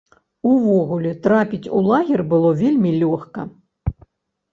Увогуле, трапіць у лагер было вельмі лёгка.